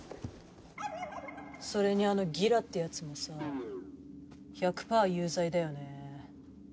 それにあのギラってやつもさ１００パー有罪だよね？